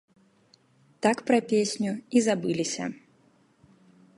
Так пра песню і забыліся.